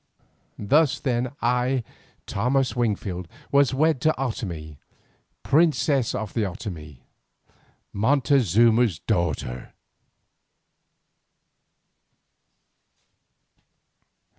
Thus then I, Thomas Wingfield, was wed to Otomie, princess of the Otomie, Montezuma's daughter.